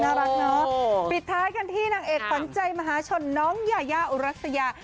น่ารักเนอะปิดท้ายกันที่นางเอกขวัญใจมหาชนน้องยายาอุรัสยา